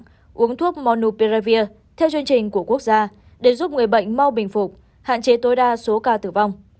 uống thuốc monuperavir theo chương trình của quốc gia để giúp người bệnh mau bình phục hạn chế tối đa số ca tử vong